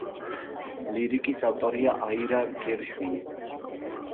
ლირიკის ავტორია აირა გერშვინი.